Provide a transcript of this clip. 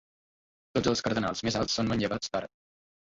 Tots els cardenals més alts són manllevats d'Àrab.